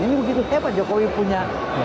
ini begitu siapa jokowi punya